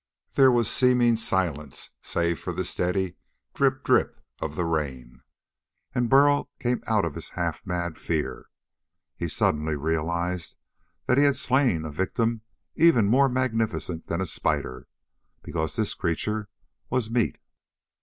There was seeming silence, save for the steady drip drip of the rain. And Burl came out of his half mad fear: he suddenly realized that he had slain a victim even more magnificent than a spider, because this creature was meat.